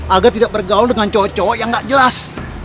agar tidak bergaul dengan cowok cowok yang gak jelas